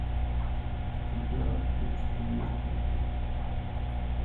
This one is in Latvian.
Stiprāk turi stūri taču.